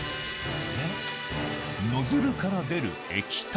ノズルから出る液体。